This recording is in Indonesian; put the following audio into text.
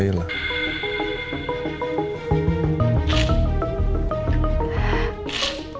dia selalu mencari budaya